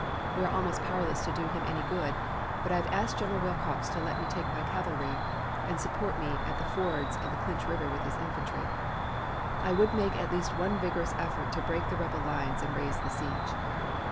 We are almost powerless to do him any good, but I have asked General Wilcox to let me take my cavalry and support me at the fords of Clinch River with his infantry, and I would make at least one vigorous effort to break the rebel lines and raise the siege.